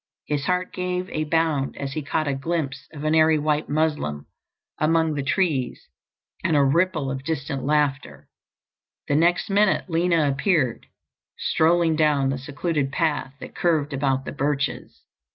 His heart gave a bound as he caught a glimpse of an airy white muslin among the trees and a ripple of distant laughter. The next minute Lina appeared, strolling down the secluded path that curved about the birches.